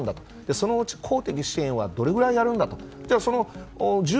そのうち公的支援はどれくらいやるんだと。